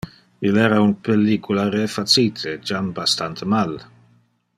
Il era un pellicula refacite, jam bastante mal.